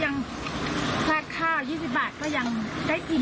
อย่างนี้ผมก็ยังราดข้าว๒๐บาทก็ยังได้กิน